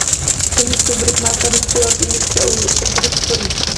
Ichimlik suv birikmasini ruscha yoki inglizchaga oʻgirib koʻring